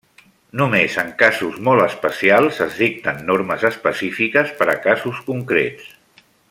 Només en casos molt especials es dicten normes específiques per a casos concrets.